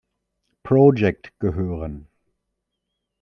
Project gehören.